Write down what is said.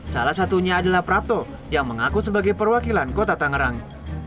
salah satunya adalah prapto yang mengaku sebagai perwakilan kota tangerang